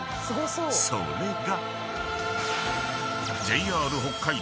［それが］